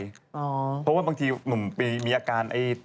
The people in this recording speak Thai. เพราะว่าบางทีหนุ่มมีอาการ